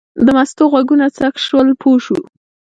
د مستو غوږونه څک شول پوه شوه.